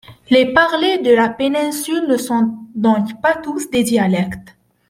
Les parlers de la péninsule ne sont donc pas tous des dialectes.